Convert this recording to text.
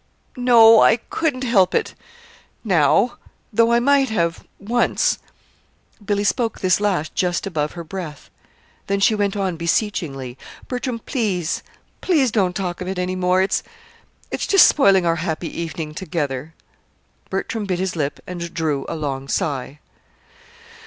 "No, I couldn't help it now; though I might have once." Billy spoke this last just above her breath. Then she went on, beseechingly: "Bertram, please, please don't talk of it any more. It it's just spoiling our happy evening together!" Bertram bit his lip, and drew a long sigh.